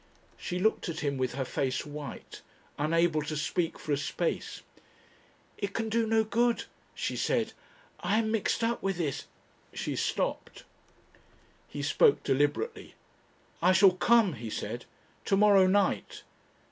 She looked at him with her face white, unable to speak for a space. "It can do no good," she said. "I am mixed up with this...." She stopped. He spoke deliberately. "I shall come," he said, "to morrow night."